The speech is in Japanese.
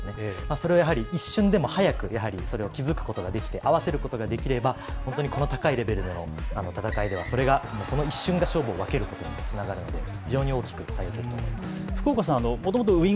それを一瞬でもそれを気付くことができて合わせることができれば高いレベルの戦いでは一瞬で勝負を分けることにつながるので非常に大きく左右すると思います。